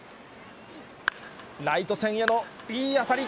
ライト線へのいい当たり。